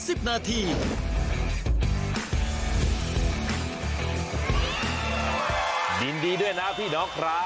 สุดท้ายค่ะสุดท้ายค่ะ